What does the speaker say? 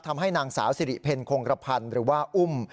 ทำให้นางสาวสิริเพลคงกระพันธ์หรือว่าอุ้ม